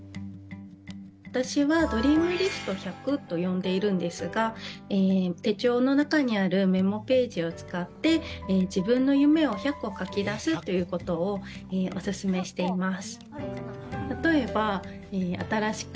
私はドリームリスト１００と呼んでいるんですが手帳の中にあるメモページを使って自分の夢を１００個書き出すということをオススメしています。